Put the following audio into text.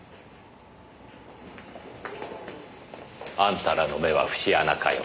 あんたらの目は節穴かよ